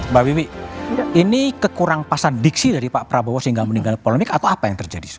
mbak bibi ini kekurang pasan diksi dari pak prabowo sehingga meninggal polemik atau apa yang terjadi